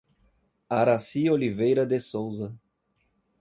Araci Oliveira de Souza